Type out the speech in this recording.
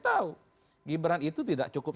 tahu gibran itu tidak cukup